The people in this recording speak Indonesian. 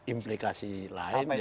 implikasi lain yaitu